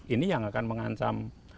ini yang akan menghancam